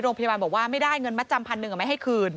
โรงพยาบาลบอกว่าไม่ได้เงินมัดจำพันหนึ่งไม่ให้คืน